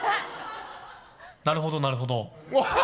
なるほど、なるほど。